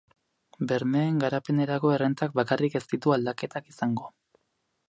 Bermeen garapenerako errentak bakarrik ez ditu aldaketak izango.